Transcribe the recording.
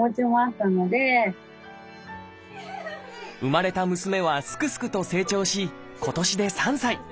そうですね生まれた娘はすくすくと成長し今年で３歳。